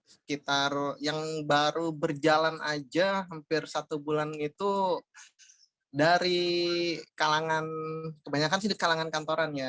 sekitar yang baru berjalan aja hampir satu bulan itu dari kalangan kantorannya